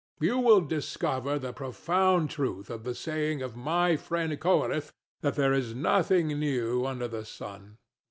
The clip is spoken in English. You will discover the profound truth of the saying of my friend Koheleth, that there is nothing new under the sun.